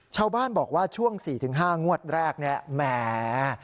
ชาวบ้านบอกว่าช่วง๔๕งวดแรกเนี่ยแหม